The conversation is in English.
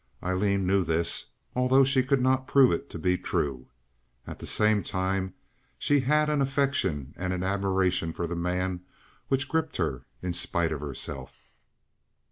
Aileen knew this, although she could not prove it to be true. At the same time she had an affection and an admiration for the man which gripped her in spite of herself.